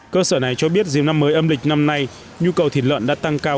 cơ sở này cho biết dịp năm mới âm lịch năm nay nhu cầu thịt lợn đã tăng cao